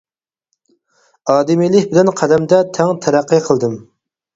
ئادىمىيلىك بىلەن قەلەمدە تەڭ تەرەققىي قىلدىم.